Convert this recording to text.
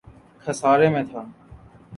خسارے میں تھا